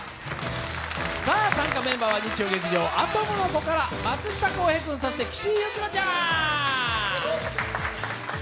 参加メンバーは日曜劇場「アトムの童」から松下洸平君、岸井ゆきのちゃん。